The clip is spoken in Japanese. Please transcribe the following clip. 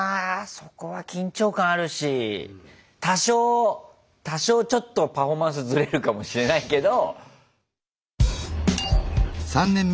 そこは緊張感あるし多少多少ちょっとパフォーマンスずれるかもしれないけど。